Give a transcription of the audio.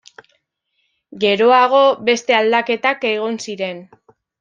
Geroago beste aldaketak egon ziren.